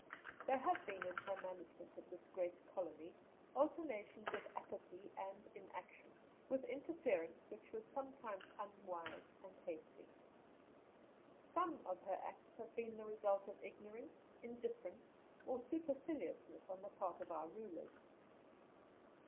There have been in her management of this great Colony alternations of apathy and inaction, with interference which was sometimes unwise and hasty. Some of her acts have been the result of ignorance, indifference, or superciliousness on the part of our rulers.